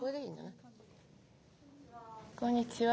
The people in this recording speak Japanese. こんにちは。